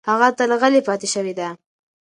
هغه تل غلې پاتې شوې ده.